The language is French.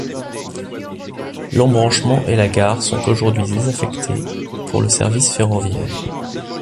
L'embranchement et la gare sont aujourd'hui désaffectés pour le service ferroviaire.